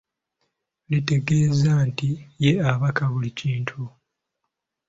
Litegeeza nti ye abaka buli kintu.